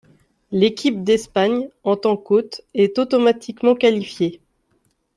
L'équipe d'Espagne, en tant qu'hôte, est automatiquement qualifiée.